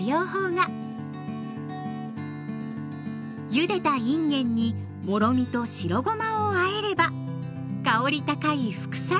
ゆでたいんげんにもろみと白ごまをあえれば香り高い副菜のできあがりです。